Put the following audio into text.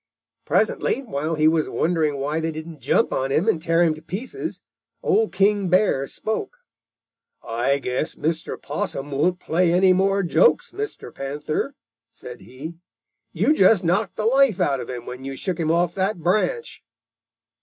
Presently, while he was wondering why they didn't jump on him and tear him to pieces, Old King Bear spoke: "'I guess Mr. Possum won't play any more jokes, Mr. Panther,' said he. 'You just knocked the life out of him when you shook him off that branch.'